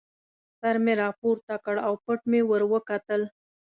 سر مې را پورته کړ او پټ مې ور وکتل.